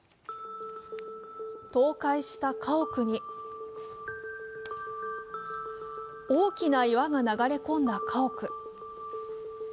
倒壊した家屋に大きな岩が流れ込んだ家屋。